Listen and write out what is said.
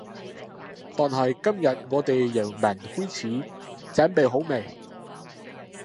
但係今日我哋由聞開始，準備好未？